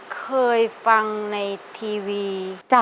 เคยฟังในทีวี